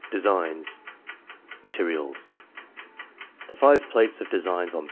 — Designs Materials, — ^The five plates of designs on pp.